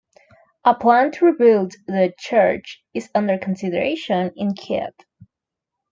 A plan to rebuild the church is under consideration in Kiev.